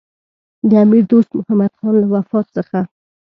د امیر دوست محمدخان له وفات څخه.